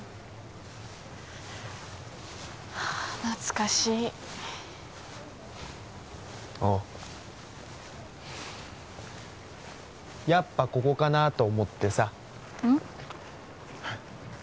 懐かしいおうやっぱここかなと思ってさうん？